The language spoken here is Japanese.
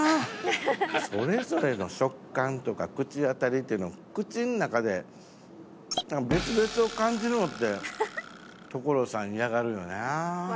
それぞれの食感とか口当たりっていうのを口の中で別々を感じるのって所さん嫌がるよな。